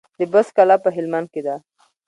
د بست کلا په هلمند کې ده